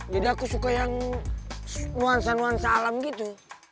jadi aku suka yang nuansa nuansa alam gitu